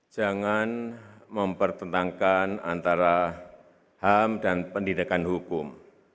jangan mempertentangkan antara ham dan pendidikan hukum